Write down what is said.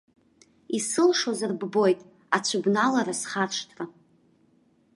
Исылшозар ббоит, ацәыбналара, схаршҭра.